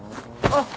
あっ！